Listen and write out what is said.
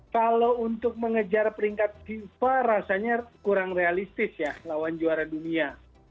kalau untuk mengejar peringkat fifa rasanya kurang realistis ya lawan juara dunia